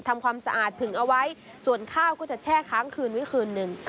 ทำความสะอาดผึงเอาไว้ส่วนข้าวก็จะแช่ค้างคืนไว้คืนหนึ่ง